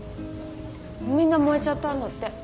みんな燃えちゃったんだって。